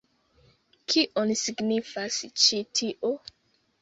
Kion signifas ĉi tio?